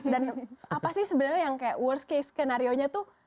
dan apa sih sebenarnya yang kayak worst case skenario nya tuh